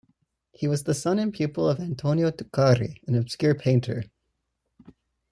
He was the son and pupil of Antonio Tuccari, an obscure painter.